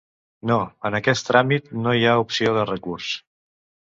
No, en aquest tràmit no n'hi ha opció de recurs.